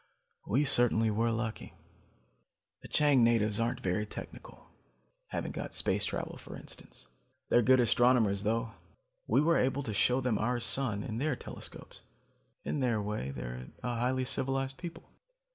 We certainly were lucky. "The Chang natives aren't very technical haven't got space travel for instance. They're good astronomers, though. We were able to show them our sun, in their telescopes. In their way, they're a highly civilized people.